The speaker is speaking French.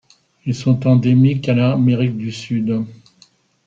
Ils sont endémiques à l'Amérique du Sud.